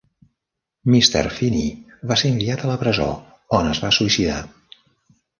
Mr. Feeny va ser enviat a la presó, on es va suïcidar.